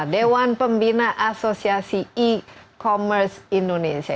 dewan pembina asosiasi e commerce indonesia